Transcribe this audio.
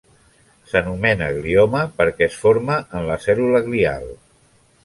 S'anomena glioma perquè es forma en la cèl·lula glial.